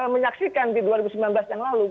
menyaksikan di dua ribu sembilan belas yang lalu